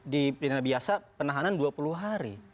di pidana biasa penahanan dua puluh hari